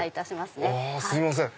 すいません。